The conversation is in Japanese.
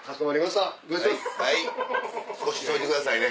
はい少し急いでくださいね。